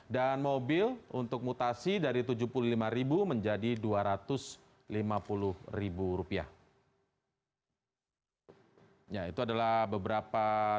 dan mobil untuk mutasi dari rp tujuh puluh lima menjadi rp dua ratus lima puluh